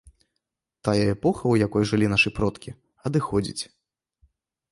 Тая эпоха, у якой жылі нашыя продкі, адыходзіць.